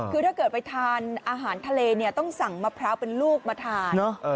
คือถ้าเกิดไปทานอาหารทะเลเนี่ยต้องสั่งมะพร้าวเป็นลูกมาทาน